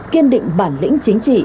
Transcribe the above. kiên định bản lĩnh chính trị